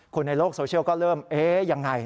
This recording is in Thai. คนในโลกโซเชียลก็เริ่มอย่างไร